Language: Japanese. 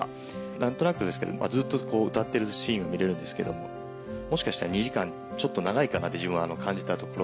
何となくずっと歌ってるシーンは見れるんですけどももしかしたら２時間ちょっと長いかなって自分は感じたところが。